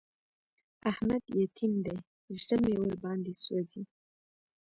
احمد يتيم دی؛ زړه مې ور باندې سوځي.